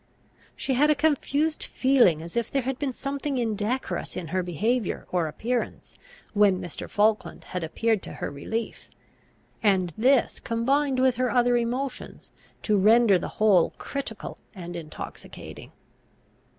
She had a confused feeling as if there had been something indecorous in her behaviour or appearance, when Mr. Falkland had appeared to her relief; and this combined with her other emotions to render the whole critical and intoxicating.